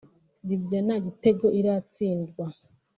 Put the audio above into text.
Libya nta gitego iratsindwa